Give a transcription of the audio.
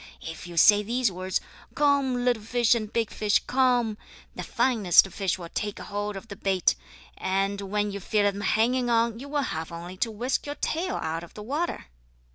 If you say these words: 'Come, little fish and big fish. Come!' the finest fish will take hold of the bait, and when you feel them hanging on you will have only to whisk your tail out of the water."